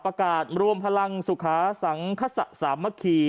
ประกาศรวมพลังสุขาสังคสะสามัคคี